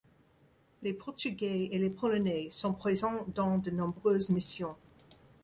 Les Portugais et les Polonais sont présents dans de nombreuses missions.